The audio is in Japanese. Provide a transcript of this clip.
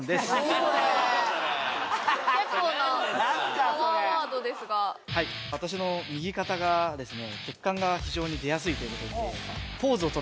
結構なパワーワードですがはい私のありますよね